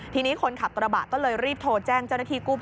ทีนี้คนขับกระบะก็เลยรีบโทรแจ้งเจ้าหน้าที่กู้ภัย